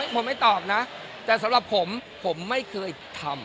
ผมไม่ตอบนะแต่สำหรับผมผมไม่เคยทำ